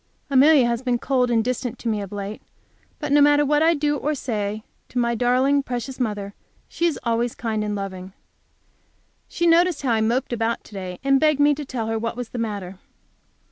Amelia has been cold and distant to me of late, but no matter what I do or say to my darling, precious mother, she is always kind and loving. She noticed how I moped about to day, and begged me to tell her what was the matter.